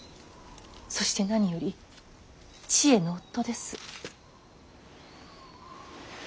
そして何よりちえの夫です。